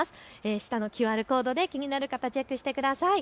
下のＱＲコードで気になる方、チェックしてください。